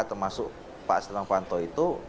termasuk pak asyidina panto itu